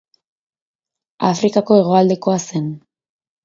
Afrikako hegoaldekoa zen.